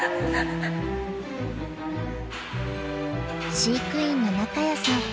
飼育員の中谷さん。